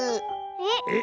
えっ⁉